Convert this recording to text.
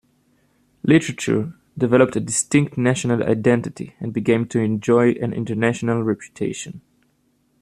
Literature developed a distinct national identity and began to enjoy an international reputation.